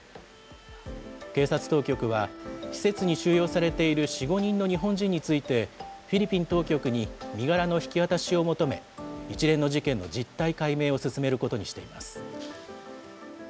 警察当局は、施設に収容されている４、５人の日本人について、フィリピン当局に身柄の引き渡しを求め、一連の事件の実態解明を進めることにしています。